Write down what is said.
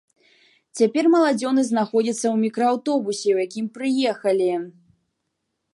Цяпер маладзёны знаходзяцца ў мікрааўтобусе, у якім прыехалі.